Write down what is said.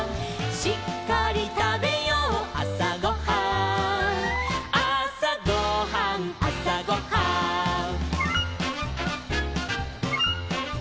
「しっかりたべようあさごはん」「あさごはんあさごはん」